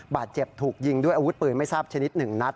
บาดเจ็บถูกยิงด้วยอาวุธปืนไม่ทราบชนิด๑นัด